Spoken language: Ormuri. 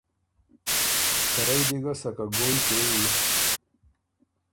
ته رئ دی ګه سکه ګویٛ کېوی۔